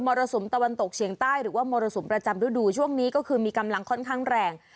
รสุมตะวันตกเฉียงใต้หรือว่ามรสุมประจำฤดูช่วงนี้ก็คือมีกำลังค่อนข้างแรง